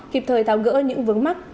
kịp thời tháo gỡ những vướng mắt